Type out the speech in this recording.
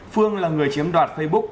phương là người chiếm đoạt facebook